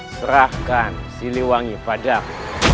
serahkan siliwangi padamu